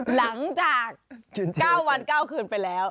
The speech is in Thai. หลังจาก๙วัน๙คืนไปแล้ว